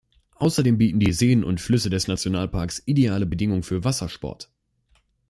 Außerdem bieten die Seen und Flüsse des Nationalparks ideale Bedingungen für Wassersport.